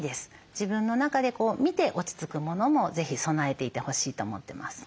自分の中で見て落ち着くものも是非備えていてほしいと思ってます。